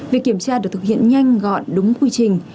việc kiểm tra được thực hiện nhanh gọn đúng quy trình